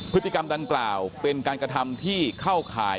พฤติกรรมดังกล่าวเป็นการกระทำที่เข้าข่าย